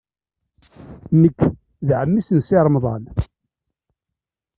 Nekk d ɛemmi-s n Si Remḍan.